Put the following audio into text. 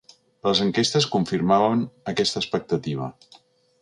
Les enquestes confirmaven aquesta expectativa.